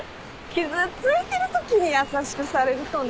傷ついてるときに優しくされるとね。